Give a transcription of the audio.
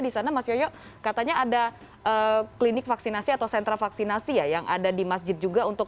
disana masih katanya ada klinik vaksinasi atau sentra vaksinasi yang ada di masjid juga untuk